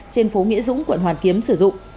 trên phố nghĩa dũng quận hoàn kiếm sử dụng